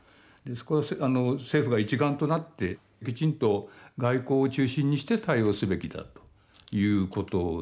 そこは政府が一丸となってきちんと外交を中心にして対応すべきだということですかね。